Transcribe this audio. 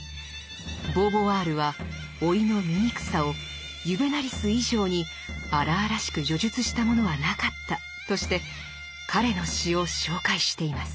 ボーヴォワールは「老いの醜さをユヴェナリス以上に荒々しく叙述した者はなかった」として彼の詩を紹介しています。